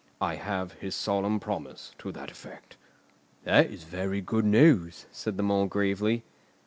I have his solemn promise to that effect." "That is very good news," said the Mole gravely.